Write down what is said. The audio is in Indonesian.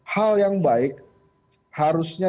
hal yang baik harusnya